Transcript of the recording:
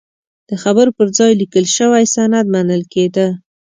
د خبرو پر ځای لیکل شوی سند منل کېده.